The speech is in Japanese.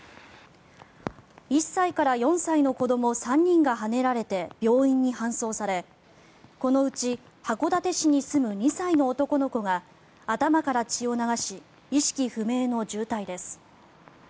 １歳から４歳の子ども３人がはねられて病院に搬送され、このうち函館市に住む２歳の男の子が頭から血を流し意識不明の重体です。